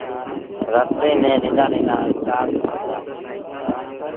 رستي ميݩ ننڍآ ننڍآ اسٽآڦ هُݩدآ۔